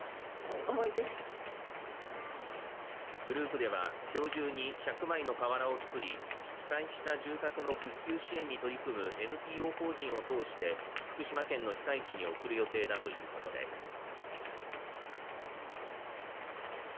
グループではきょう中に１００枚の瓦を作り被災した住宅の復旧支援に取り組むＮＰＯ法人を通して福島県の被災地に贈る予定だということです。